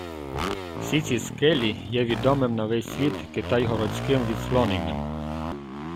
Всі ці скелі є відомим на весь світ Китайгородським відслоненням.